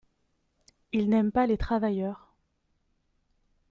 Ils n’aiment pas les travailleurs.